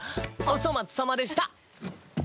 お粗末さまでした。